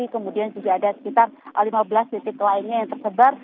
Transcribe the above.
kemudian juga ada sekitar lima belas titik lainnya yang tersebar